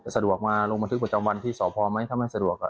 สะดวกมาลงบันทึกประจำวันที่สพไหมถ้าไม่สะดวก